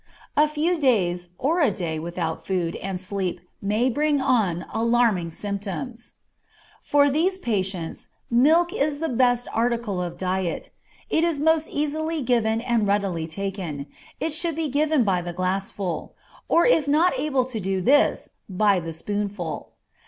A few days, or a day, without food and sleep may bring on alarming symptoms. For these patients, milk is the best article of diet; it is most easily given and readily taken; it should be given by the glassful, or if not able to do this by the spoonful.